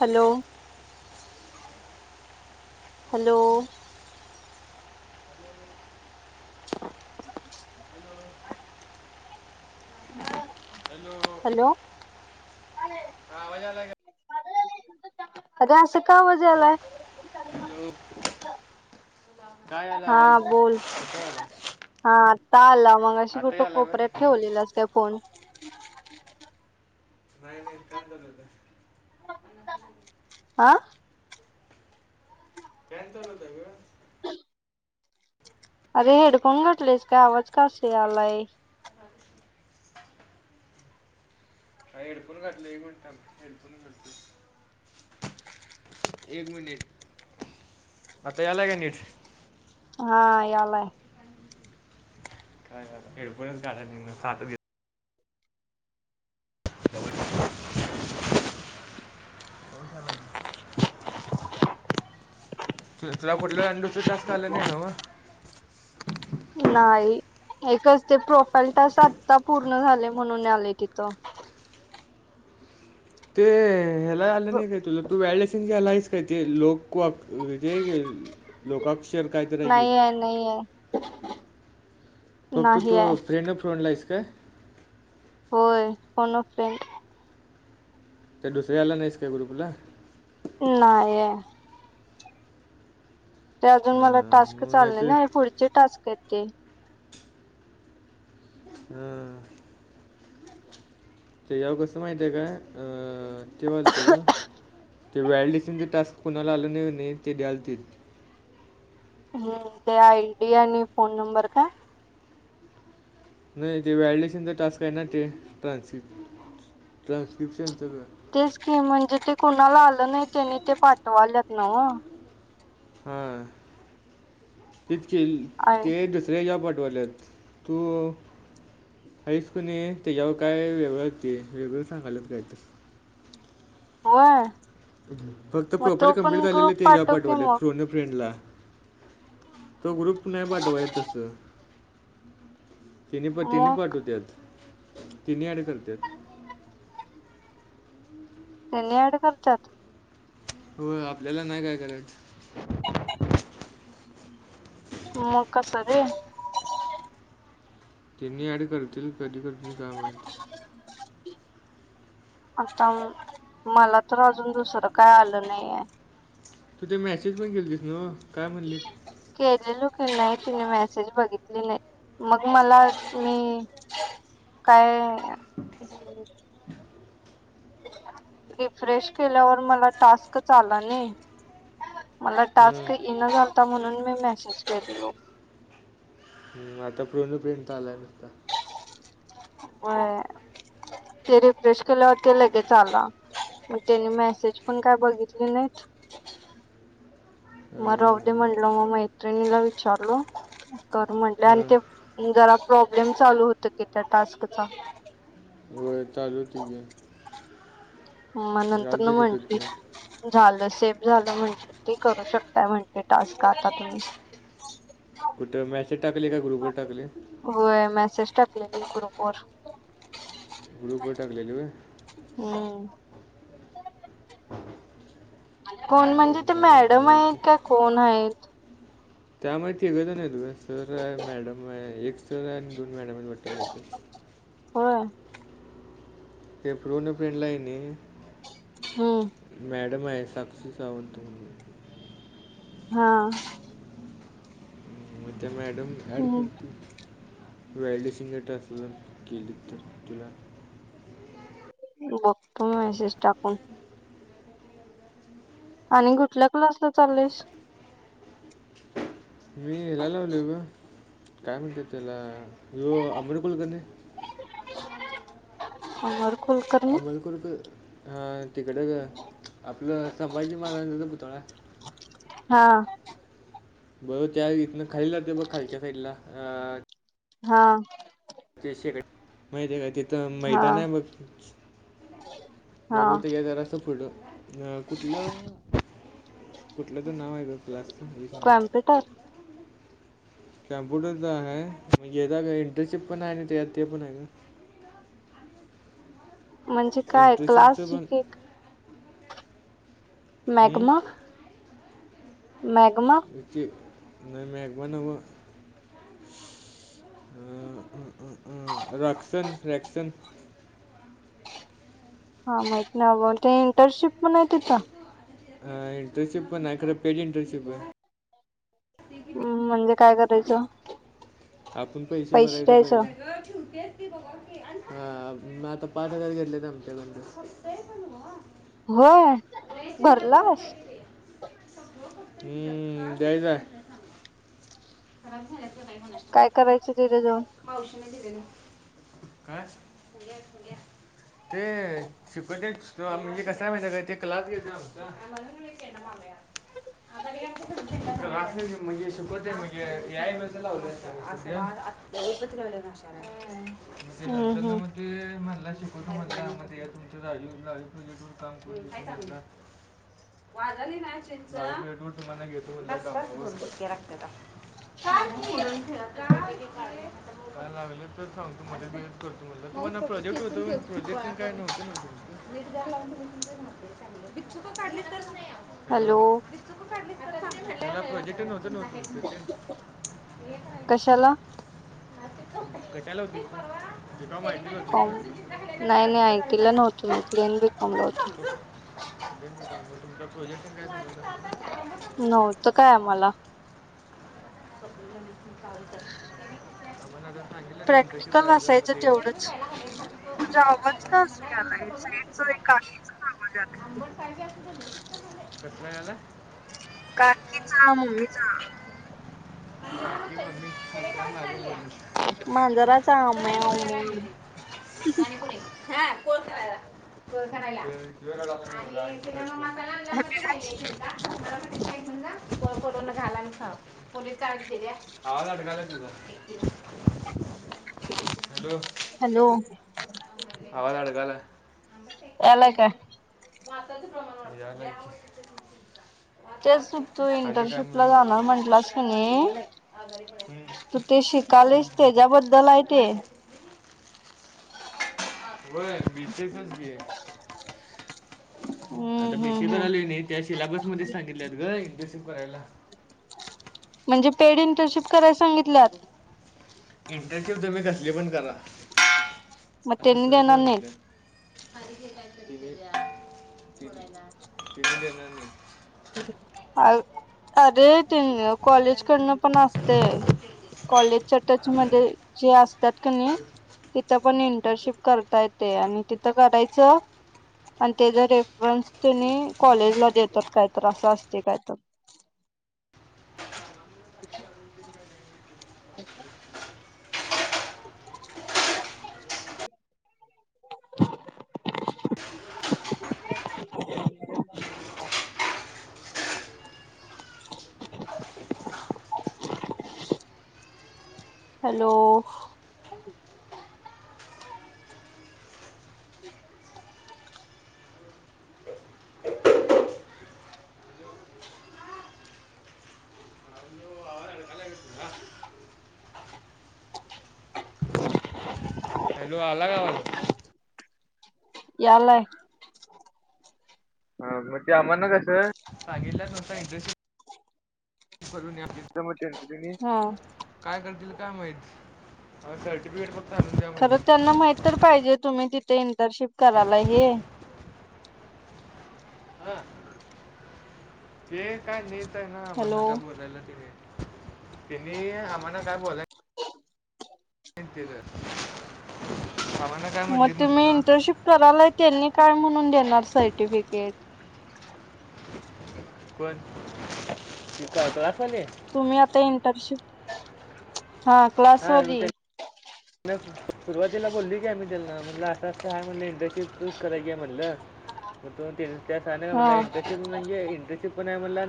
Hello hello.. hello hello hello हा आवाज आलाय काय? अगं असं का आवाज यायलाय [inaudible] काय हा आवाज बोल. कुठे आला हा आता आला मगाशी आता कुठं आला होय कोपऱ्यात ठेवलेला का फोन? नाही नाही काम चालू होत. आं काय चालल होता ग? अरे हेडफोन घातलेस काय आवाज का असा यायलाय..... अग हेडफोन घातलय एक मिनिट थांब.... घालतो [unintelligible] एक मिनिट आता यालाय का नीट? हा यालाय.... हा हा हेडफोनच घालय येईना [unintelligible] [inaudible] [inaudible] तु तुला कुठ आणि दुसरा टास्क आला नाही नव्ह... नाही.... एकच ते प्रोफाईल टास्क आत्ता पूर्ण झालंय म्हणून आलाय तिथ.... ते ह्याला आलं नाही काय तुला तू वलिडेशन झालाय की लोक कॉक..... हेज लोकाक्षर काहीतरी आहे की..... नाहीये नाहीये फक्त नाहीये तू फ्रेंड अ फोनला आहेस का.... होय फोन अ फ्रेंड.... त्या दुसऱ्या आला नाहीस काय ग्रुपला? नाहीय... ते अ, अजून मला टास्क मग आले नाही नाहीतर ना पुढचे टास्क आहेत ते..... ह ते याव कसं माहित आहे का अ.... तेव्हा आलत का ते व्हॅलिडेशन चे टास्क कोणाला आलं नाही नाही ते द्यायलतील... हम्म ते आय डी आणि फोन नंबर का? नाही ते व्हलडेशनचा टास्क आहे ना ते ट्रान्स ट्रान्स्क्रिप्शनच.... ते स्कीम म्हणजे ते कुणाला आलं नाही त्यानी ते पाठवालेत नव्ह..... हा.... ते स्किल.... आय ते जॉब पाठवायलेत तू..... हासकून त्याच्यावर काय वेगळंच ते वेगळं सांगालाच काय तर..... हा..... फक्त प्रोफाईल कम्प्लीट झालेले ते जॉब पाठव की पाठवाले मग फोन अ फ्रेंडला... तो ग्रुप नाही पाठवाय तस.... तेनी प तेणी मग पाठवतत तिनी ऍड करतात..... त्यांनी ऍड करतात.... हो आपल्याला नाही काय करायच.... म कसवी... त्यांनी अड करतील कधी करतील का माहीत? आता मला.... तर अजून दुसरं काय आलं नाहीय... तू ते मॅसेज पण केेलीस नव्ह काय म्हणली? केलेलो की नाही तिने मेसेज बघितली नाही..... मग मला मी काय? [unintelligible] रिफ्रेश केल्यावर मला टास्कच आला नि.... मला टास्क हां येणं झालता म्हणून मी मेसेज केली हो.... हम् आता फोन अ फ्रेंड आलाय नसता... व ते रिफ्रेश केल्यावरती लगेच आला.... मग त्यानी मेसेज पण काय बघितले नाहीत.. मग राहू दे हां, म्हणल मग मैत्रिणीला विचारल कर म्हणले आणि हां ते... जरा प्रॉब्लेम चालू होत की त्या टास्कचा.... हो ताज होती आहे... म नंतर ना तो कुठं म्हटली... ते झालं सेफ झालं म्हण ते करू शकताय म्हणते टास्क आता तुम्ही कुठं मॅसेज टाकले का ग्रुप वर टाकले होय मॅसेज टाकलेली कपर ग्लुकोड टाकलेलेय हम्म कोण म्हणजे ते हम्म, मॅडम आहेत का कोण आहेत त्या माघत नाही तु सर आहे मॅडम आहे एक सर आहे आणि दोन मॅडमट कच हो प्रन फ्रेंडला आहेनी हम मॅडम आहे साक्षी सावंत तुम हा म ते मॅडम ॲड हम्म करत वईल् सिंगर ट अस केली तर तुला बक्तव्यशेष टाकून आणि कुठल्या क्लासला चाललेस मी हला लावल ग काय म्हणते त्याला आबेडकल करणे होर अमल खूर हा तिकड आपलं संभाजी महाराजांचा पुतळा हा बर त्या इतनं खाल जाते बघ खालच्या साईडला हा माहि का तिथं हा मैदान आहे म हा बोलवत ग तर असं फुट अ कुठलं कुठलं तर नाव आहे बलास् वीस मिनिट कॉम्प्युटर कॅम्प्युटरचा आहे म यता का इंटर्नशिप पण आहे ना त्या ते पण आहे का म्हणजे का काय इंटर्नशिपचं क्लासची पण के हं? मॅगमा मॅगमा इची नम आक बन ब हममम् रक्क्षन रक्क्षन हा माहित ना ब ते इंटर्नशिप मण आहे तिथं हा इंटर्नशिप पण आहे खरं पेड इंटर्नशिप आहे हम् म्हणजे काय करायचं आपण पैसे भरायला पहिले हा म आता पाच हजार घेतलेत आमच्या द हो हम्म जाय ना खराब झाल्याचं काही म्हणत काय करायचं तिरे जाऊन पावश नाही त का घ ते शिक म्हणजे कस ते क्लास घेतम ये मामया खले म्हजे शपत आहे म्हणजेई लाव देत्पवले माशाला हम्म हम्म मणला शिकवतो म्हण मध्ये तुमच्याई काम कर ह वाजाली नाहीिंटक्याते का का का [unintelligible] काय लागलं तर सांगतो करतो म्हटलं प्रोजेक्ट होत प्रोजेक्ट काय नव्हत. चकढली. हॅलो ला प्रोजेटिनतं नव्हत. कशाला? कच्याला होती जिकबाई. सि कॉम नाही केलेणार नाही पक् झालं आयटीला नव्हतो मी प्लेन बी कॉम ला होतो स तु प्रोजेक्ट काय झा नव्हतं काय आम्हाला. [unintelligible] ांग प्रॅक्टिकल असायचं तेवढंच इंटरेस्ट तुझा आवाज ल प्रायझध्ये. [unintelligible] कनाला. काकीचा मम्मीचा. [unintelligible] मांजराचा का हे म्याव करायला ते म्याव पाणीपुरी. हा कोलखाला कोलखणाला. आणि ति मग मसा लावल्याब रायश समजा. त कोरोना घाला ना पोलीसते आवाज अडला तुझ. हॅलो! हॅलो! आवाज अडकाला. याला का. वाातचे प्रमाण वात तेच तू वाढतंय. आणि काय इंटर्नशिप ला म्हणून जाणार म्हंटलंस की नाही. आजारी पडायचं. तू तेशी कालेच ते जबतदलाय ते. हो बीटेचच ग- हम्म आता बीसी हम्म हम्म. करायलय नाही त्या सिलाबसमध्येध्येच सांगितल्यात ग इंटर्नशिप करायला. म्हणजे पेड इंटर्नशिप कराय सांगितल्यात. इंटरश्यव तमही कसली पण करा. असं मतेंद द्या सहज सहज नने. म्हणलं [unintelligible] अ अरे ते कॉलेज सगळ्यांना करनं पण असते. कॉलेजच्या टच मध्ये जे असतात क नाही. तिथं पण इंटर्नशिप करता येते आणि तिथं करायचं. आणि त्याचा रेफरन्स तने कॉलेजला देतात काय तर असं असते काय तर. ह [inaudible] [inaudible] [unintelligible] [inaudible] [unintelligible] [inaudible] [inaudible] हॅलो! [unintelligible] [unintelligible] [unintelligible] अ आज बला यत. हॅलो अलाकाआवाज. यालाय. ह मग ते आम्हाला कसं सांगित नसता इंटरेस्टिंग. भरून या बिधम चंतिने. हा काय करतील काय माहीित सर्टिफिकेट फक्त आणून द्या खरं म्हणले त्यांना माहित तर पाहिजे तुम्ही तिथे इंटर्नशिप करायला हे. हा. ते काय नेत आहे ना आम्हाांना हॅलो काय बोलायला तिने तिने आम्हाना काय बोलाय. तेच दील सामानच. मग तुम्ही इंटर्नशिप करालाय त्यांनी काय म्हणून देणार सर्टिफिकेट कोण तिथटलवाले तुम्ही आता इंटर्नशिप हा हा मग क्लासवरली. सुरुवातीला बोलली की आमही त्यांना म्हणटलं असं असं आहे म्हणलं इंडस्ट्री चूज करायचीी आहे म्हटलं. हम. मग तो तीन त्या मला इंटर्नशिप म्हणजे इंटर्नशिप पण आहे म्हणला.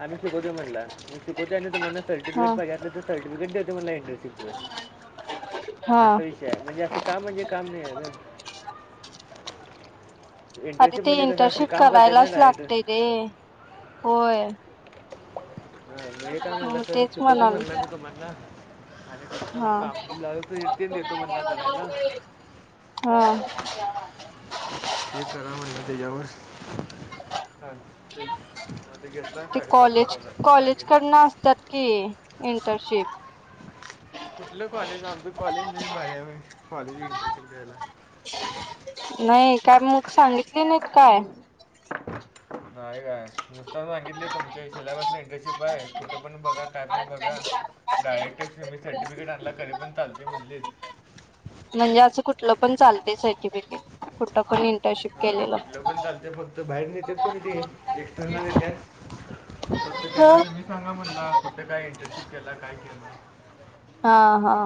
आम् शिकवतो म्हला मी शिकते आणि तुम्हाना सर्टिफिकेट हा बघलं तर सर्टिफिकेटेतते मला इंटरशिं हा असा विषय आहे म्हणजे असं काम म्हणजे काम नाही आहे ना. आधी इंटर्नशिप ते इंटर्नशिप म्हणजेकसअसतकाम करत ना करायलाच डायरक्टर लागते रे होय. मीळ काय म्हणलं सर तेच तुकतो म्हणाल म्हणला मी तुम्हाला अरे म हा का नि ते देतो मणला करायला. हम. ते करा म्हणजतेजयावर हां ते ते घेतला साडे पाच बला सांगेल. ततकी इंटर्नशिप. कुठलं कॉलेज आमच कॉलेज नाही बऱ्या कॉलेज इंटमिशन केरायला. नाही काय मग सांगितली नाही. हो. नाही आहे काय नुसताना सांगितले तुमच्या सिलेबसला इंटर्नशिप आहे. कुठं पण बघा काय पण बघा डायरेक्ट सर्टिफिकेट आणला खर पण चालते म्हणलीच. म्हणजे असं कुठलं पण चालतय सर्टिफिकेट कुठ पण इंटर्नशिप केलेलं. तर बाहेर नेतात पण तेे एक्स्टर्नल येत. फक्त हा त्यांना तुम्ही सांगा म्हणला कुठं काय इंटर्शिप केला काय केलं. हा हा.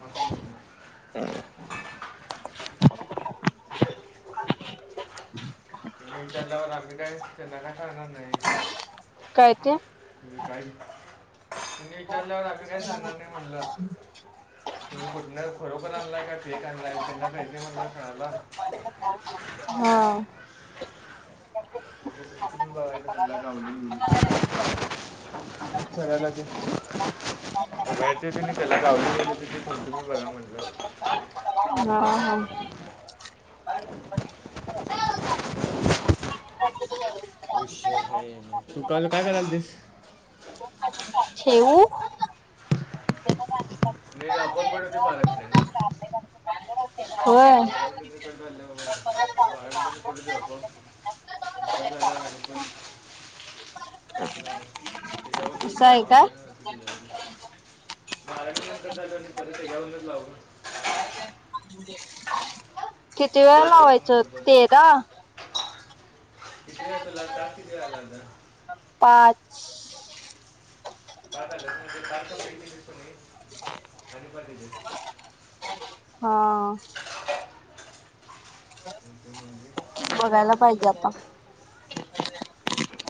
ह ह. हम्. आवाज येत आहे. म त्याल्यावर आम्ही काहीच के ना काय करणार नाही. काय ते काही विचारल्यावर आम्ही काय सांणार नाही म्हणलं. तुम्ही कुठण्या खरोखर आणलाय का फेक आणलाय त्यांना काहीत म्हणला खणाला. हा. ह. त ब मम यूज खरा्या काज बार त त्याला वली गेली तिथ म्ह तुम्ही बघ म्हटलं. हम हम. [unintelligible] अ. तू काला काय कराल तीस थेवू. म्ह आपप कडे बारकले ना. [unintelligible] हो. इनऑडिबल. आ आकठचप त्याच्यावण असं आहे नाला का अग बारावी नंतर झालं आणि परत जॉब ला चा लागलो ना किती वेळा ऑनलाईन जातो लावायचं म्हणलं परत तेेरा किती व तू लागता किती व लागत पाच बार तम्ही आणि पर हा ह बघायला पाहिजे आता